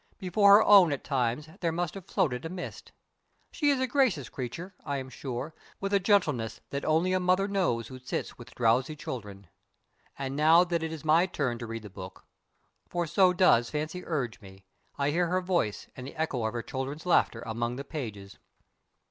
Before her own at times there must have floated a mist. She is a gracious creature, I am sure, with a gentleness that only a mother knows who sits with drowsy children. And now that it is my turn to read the book for so does fancy urge me I hear her voice and the echo of her children's laughter among the pages.